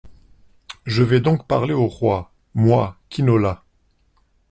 Je vais donc parler au roi, moi, Quinola.